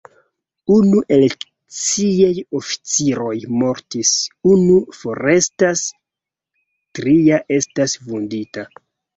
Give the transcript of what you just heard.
Unu el ciaj oficiroj mortis, unu forestas, tria estas vundita.